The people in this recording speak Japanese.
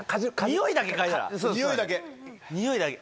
においだけ。